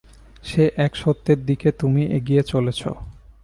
সে এক সত্যের দিকে তুমি এগিয়ে চলেছ।